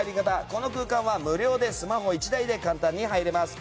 この空間は無料でスマホ１台で簡単に入れます。